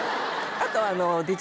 あと。